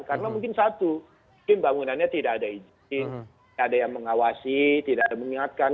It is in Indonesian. karena mungkin satu mungkin bangunannya tidak ada izin tidak ada yang mengawasi tidak ada yang mengingatkan